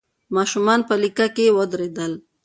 ماشومان په لیکه کې ودرېدل.